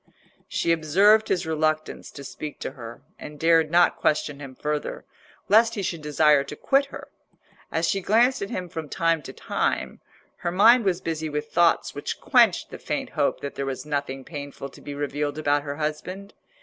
She observed his reluctance to speak to her, and dared not question him further, lest he should desire to quit her. As she glanced at him from time to time, her mind was busy with thoughts which quenched the faint hope that there was nothing painful to be revealed about her husband.